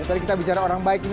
tadi kita bicara orang baik ini